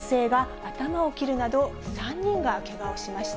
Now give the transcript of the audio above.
３５歳の女性が頭を切るなど、３人がけがをしました。